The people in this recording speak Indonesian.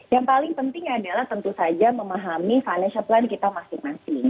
yang paling penting adalah tentu saja memahami financial plan kita masing masing